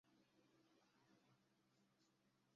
alitangaza tarehe ishirini na tano julai